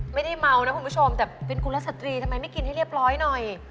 ไม่ได้เมานะคุณผู้ชมแต่เป็นกุลสตรีทำไมไม่กินให้เรียบร้อยหน่อย